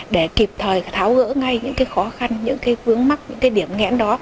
để kịp thời tháo gỡ ngay những khó khăn những vướng mắt những điểm nghẽn đó